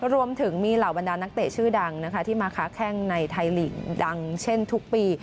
รวมถึงมีเหล่าบรรดานักเตะชื่อดังนะคะที่มาค้าแข้งในไทยลีกดังเช่นทุกปี